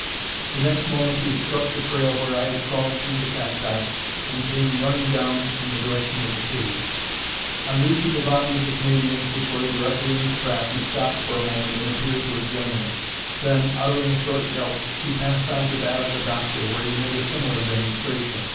The next moment he had struck the trail where I had crawled through the cacti, and came running down in the direction of the cave. On reaching the body of the Canadian, which lay directly in his track, he stopped for a moment and appeared to examine it. Then, uttering a short yelp, he passed on to that of the doctor, where he made a similar demonstration.